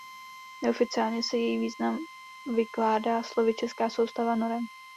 Neoficiálně se její význam vykládá slovy Česká soustava norem.